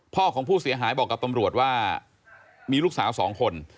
ของผู้เสียหายบอกกับตำรวจว่ามีลูกสาวสองคน